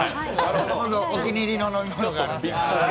お気に入りの飲み物が。